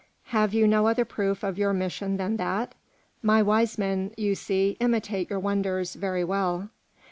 "Have you no other proof of your mission than that? My wise men, you see, imitate your wonders very well."